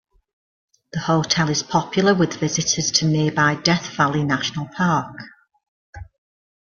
The hotel is popular with visitors to nearby Death Valley National Park.